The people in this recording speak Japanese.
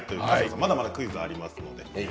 まだまだクイズがあります。